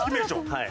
はい。